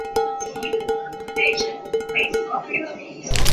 温妮台风挟带强风豪雨过境台湾北部及东北部地区。